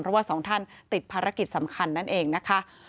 เพราะว่าสองท่านติดภารกิจสำคัญนั่นเองนะคะ